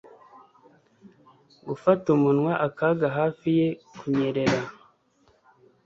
gufata umunwa akaga hafi ye, kunyerera